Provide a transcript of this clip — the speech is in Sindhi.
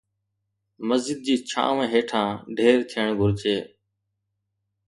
مسجد جي ڇانوَ هيٺان ڍير ٿيڻ گهرجي